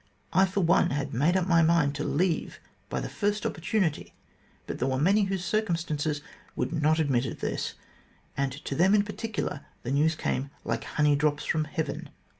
I, for one, had made up my mind to leave by the first opportunity, but there were many whose circumstances would not admit of this, and to them in particular the news came like honey drops from Heaven.